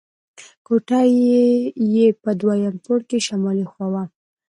کوټه یې په دویم پوړ کې شمالي خوا وه.